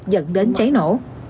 dẫn đến cháy nổ